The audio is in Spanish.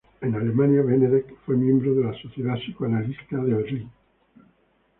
En Alemania, Benedek fue miembro de la Sociedad Psicoanalista de Berlín.